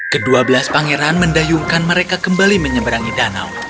kedua belas pangeran mendayungkan mereka kembali menyeberangi danau